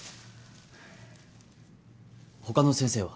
他の先生は？